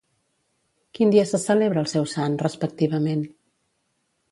Quin dia se celebra el seu sant, respectivament?